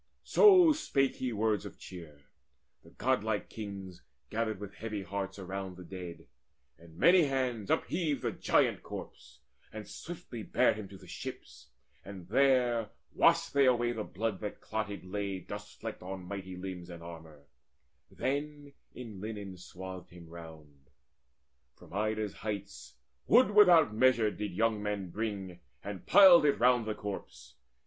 So spake he words of cheer: the godlike kings Gathered with heavy hearts around the dead, And many hands upheaved the giant corpse, And swiftly bare him to the ships, and there Washed they away the blood that clotted lay Dust flecked on mighty limbs and armour: then In linen swathed him round. From Ida's heights Wood without measure did the young men bring, And piled it round the corpse.